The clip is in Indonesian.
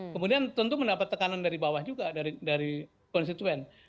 kemudian tentu mendapat tekanan dari bawah juga dari konstituen